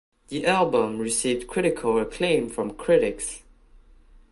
The album received critical acclaim from critics.